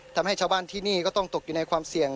ทำให้ชาวบ้านที่นี่ก็ต้องตกอยู่ในความเสี่ยง